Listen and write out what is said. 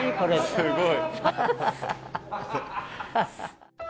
すごい。